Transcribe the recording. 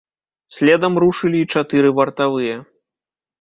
Следам рушылі і чатыры вартавыя.